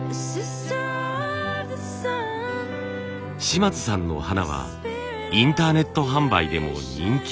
島津さんの花はインターネット販売でも人気の品です。